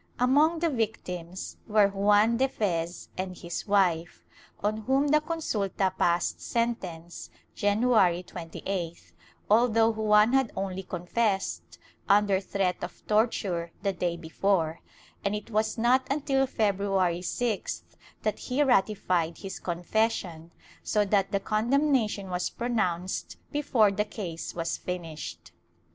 Among the victims were Juan de Fez and his wife, on whom the consulta passed sentence, January 28th, although Juan had only confessed, under threat of torture, the day before, and it was not until Feb ruary 6th that he ratified his confession, so that the condemnation was pronounced before the case was finished.